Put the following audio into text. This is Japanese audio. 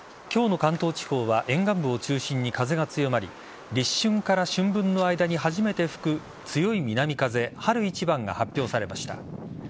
今日の関東地方は沿岸部を中心に風が強まり立春から春分の間に初めて吹く強い南風春一番が発表されました。